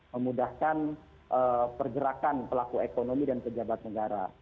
memudahkan pergerakan pelaku ekonomi dan pejabat negara